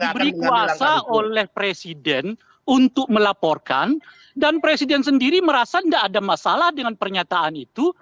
diberi kuasa oleh presiden untuk melaporkan dan presiden sendiri merasa tidak ada masalah dengan pernyataan itu